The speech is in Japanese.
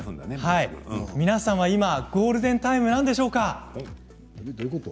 皆さんは今、ゴールデンタイムなんでしょうか。